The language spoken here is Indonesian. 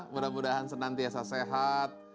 mudah mudahan senantiasa sehat